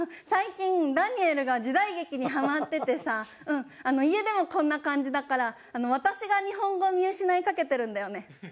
最近ダニエルが時代劇にハマっててさ家でもこんな感じだから私が日本語見失いかけてるんだよね。